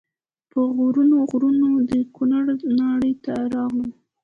په غرونو غرونو د کونړ ناړۍ ته راغلم.